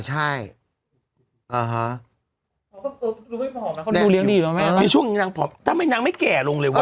ใช่เขาดูเลี้ยดีแล้วแม่มีช่วงนี้นางผอมทำไมนางไม่แก่ลงเลยวะ